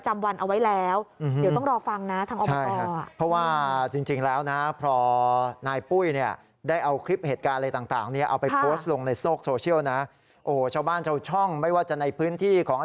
จริงตั้งแต่วันที่เกิดเหตุน่ะ